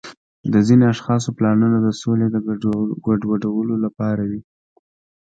د ځینو اشخاصو پلانونه د سولې د ګډوډولو لپاره وي.